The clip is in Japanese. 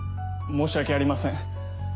申し訳ありません。